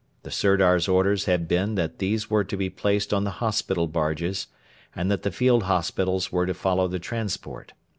The Sirdar's orders had been that these were to be placed on the hospital barges, and that the field hospitals were to follow the transport.